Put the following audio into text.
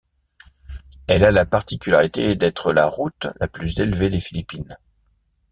Elle a la particularité d'être la route la plus élevée des Philippines.